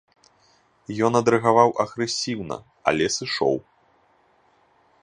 Ён адрэагаваў агрэсіўна, але сышоў.